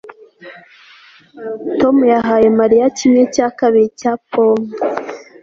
Tom yahaye Mariya kimwe cya kabiri cya pome